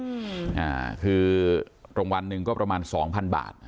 ละครอบครัว๑มวดติดประมาณ๒๐๐๐บาท